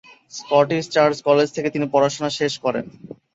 Scottish Church College থেকে তিনি পড়াশোনা শেষ করেন।